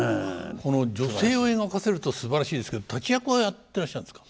女性を描かせるとすばらしいですけど立役はやってらしたんですか？